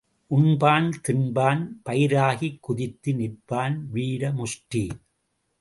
உண்பான் தின்பான் பைராகி குத்துக்கு நிற்பான் வீர முஷ்டி.